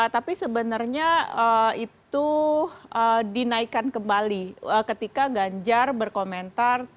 tapi sebenarnya itu dinaikan kembali ketika ganjar berkomentar tentang